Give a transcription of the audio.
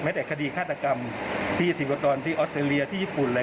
แต่คดีฆาตกรรมที่ศิวากรที่ออสเตรเลียที่ญี่ปุ่นเลย